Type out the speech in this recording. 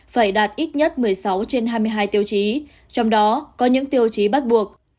phải đạt ít nhất một mươi sáu trên hai mươi hai tiêu chí trong đó có những tiêu chí bắt buộc